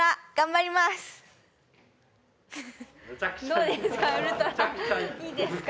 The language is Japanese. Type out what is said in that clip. どうですか？